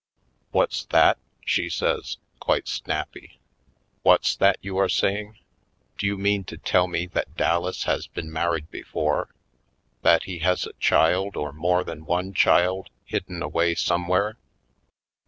"What's that?" she says, quite snappy. "What's that you are saying? Do you mean to tell me that Dallas has been mar ried before — that he has a child, or more than one child, hidden away somewhere?"